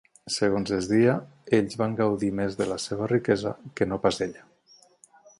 Segons es deia, ells van gaudir més de la seva riquesa que no pas ella.